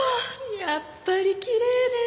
やっぱりきれいね！